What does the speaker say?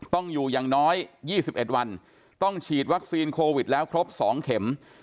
ต้องอยู่อย่างน้อย๒๑วันต้องฉีดวัคซีนโควิดแล้วครบ๒เข็ม